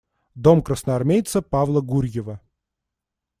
Дом красноармейца Павла Гурьева.